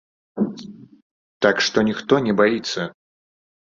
Так што, ніхто не баіцца!